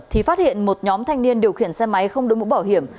thì phát hiện một nhóm thanh niên điều khiển xe máy không đối mũ bảo hiểm